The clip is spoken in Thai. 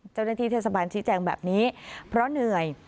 เจ้าหน้าที่เทศบาลชี้แจงแบบนี้เพราะเหนื่อย